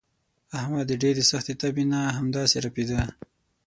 احمد د ډېرې سختې تبې نه همداسې ړپېدا.